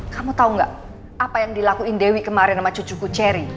kamu tau gak apa yang dilakuin dewi kemarin sama cucuku cherry